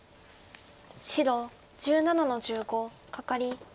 白１７の十五カカリ。